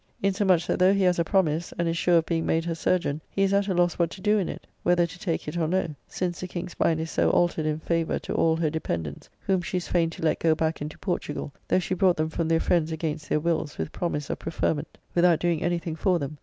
] insomuch that though he has a promise, and is sure of being made her chyrurgeon, he is at a loss what to do in it, whether to take it or no, since the King's mind is so altered in favour to all her dependants, whom she is fain to let go back into Portugall (though she brought them from their friends against their wills with promise of preferment), without doing any thing for them.